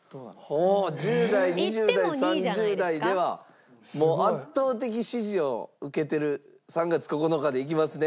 ほう１０代２０代３０代ではもう圧倒的支持を受けてる『３月９日』でいきますね？